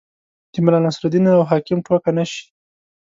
د ملا نصرالدین او حاکم ټوکه نه شي.